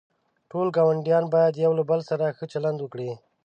ټول گاونډیان باید یوله بل سره ښه چلند وکړي.